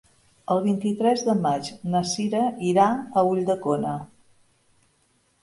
El vint-i-tres de maig na Sira irà a Ulldecona.